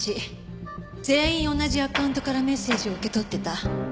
全員同じアカウントからメッセージを受け取ってた。